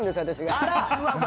あら。